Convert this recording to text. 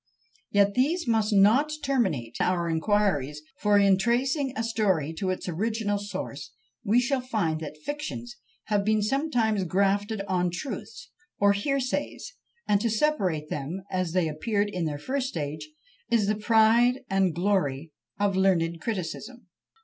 Yet these must not terminate our inquiries; for in tracing a story to its original source we shall find that fictions have been sometimes grafted on truths or hearsays, and to separate them as they appeared in their first stage is the pride and glory of learned criticism.